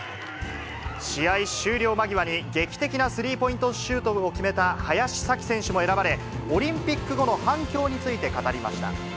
試合終了間際に劇的なスリーポイントシュートを決めた林咲希選手も選ばれ、オリンピック後の反響について語りました。